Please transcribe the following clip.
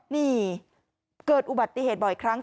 นี่เกิดอุบัติเหตุบ่อยครั้ง